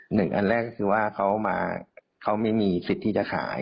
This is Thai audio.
หนึ่งอันแรกคือว่าเขามาเขาไม่มีสิทธิที่จะขาย